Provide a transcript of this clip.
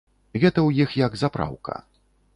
Гэта ў іх як запраўка.